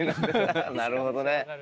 なるほどね。